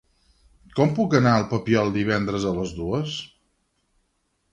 Com puc anar al Papiol divendres a les dues?